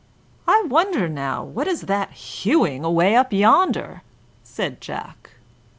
"I wonder, now, what it is that is hewing away up yonder," said Jack.